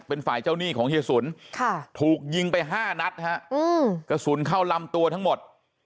เป็นฝ่ายเจ้าหนี้ของเฮียสุนถูกยิงไป๕นัดฮะกระสุนเข้าลำตัวทั้งหมด